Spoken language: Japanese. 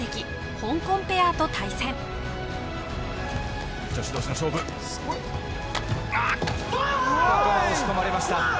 ここは押し込まれました